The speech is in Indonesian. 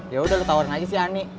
yaudah lu tawarin aja sih ani